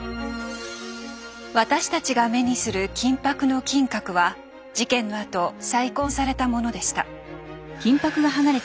私たちが目にする金ぱくの金閣は事件のあと再建されたものでした。